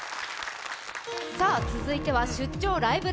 続いては「出張ライブ！